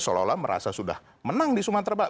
seolah olah merasa sudah menang di sumatera barat